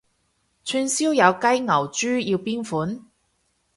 串燒有雞牛豬要邊款？